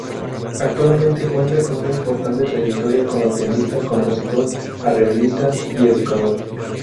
Actualmente cuenta con una importante trayectoria como pianista, compositor, arreglista y educador.